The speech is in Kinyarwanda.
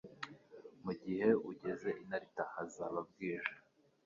Mugihe ugeze i Narita, hazaba bwije.